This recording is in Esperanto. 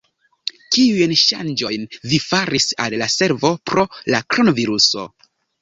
Kiujn ŝanĝojn vi faris al la servo pro la kronviruso?